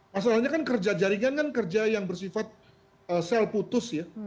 masalahnya kan kerja jaringan kan kerja yang bersifat sel putus ya